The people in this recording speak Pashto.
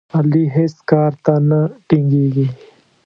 علي هېڅ کار ته نه ټینګېږي.